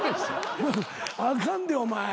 あかんでお前。